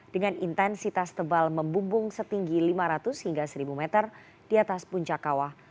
dengan intensitas tebal membumbung setinggi lima ratus hingga seribu meter di atas puncak kawah